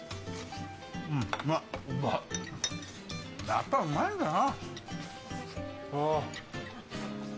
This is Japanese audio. やっぱうまいんだな。